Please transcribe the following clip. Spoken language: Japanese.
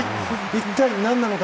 一体何なのか？